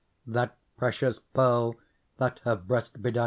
That precious pearl that her breast bedight